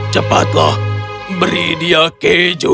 cepatlah beri dia keju